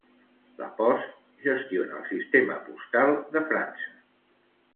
La Poste gestiona el sistema postal de França.